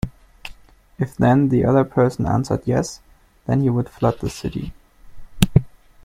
If then the other person answered "yes", then he would flood the city.